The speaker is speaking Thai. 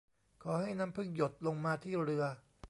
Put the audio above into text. ขอให้น้ำผึ้งหยดลงมาที่เรือ